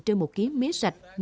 trên một kg mía sạch